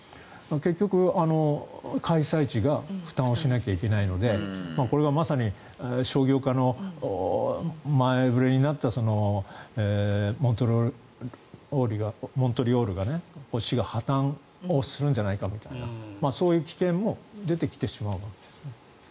結局、開催地が負担しなければいけないのでこれがまさに商業化の前触れになったモントリオール市が破たんするんじゃないかというそういう危険も出てきてしまう。